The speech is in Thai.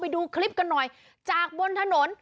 ดูคลิปกันหน่อยจากบนถนน